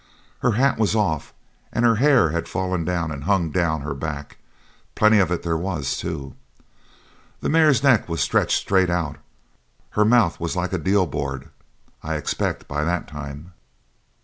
Her hat was off and her hair had fallen down and hung down her back plenty of it there was, too. The mare's neck was stretched straight out; her mouth was like a deal board, I expect, by that time.